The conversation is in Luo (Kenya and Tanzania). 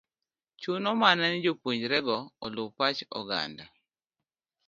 chuno mana ni jopuonjre go oluw pach oganda